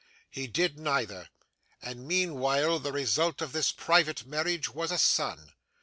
He did neither, and meanwhile the result of this private marriage was a son.